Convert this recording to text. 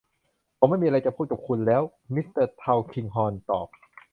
ผมไม่มีอะไรจะพูดกับคุณแล้ว มิสเตอร์ทัลคิงฮอร์นตอบ